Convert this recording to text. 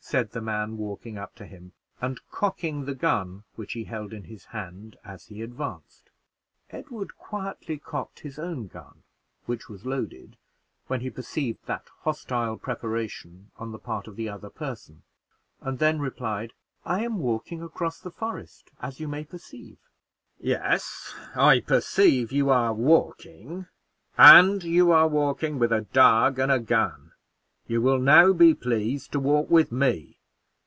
said the man, walking up to him and cocking the gun which he held in hand as he advanced. Edward quietly cocked his own gun, which was loaded, when he perceived that hostile preparation on the part of the other person, and then replied, "I am walking across the forest, as you may perceive." "Yes, I perceive you are walking, and you are walking with a dog and a gun: you will now be pleased to walk with me.